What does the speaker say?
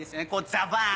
ザバン。